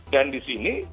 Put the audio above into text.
dan di sini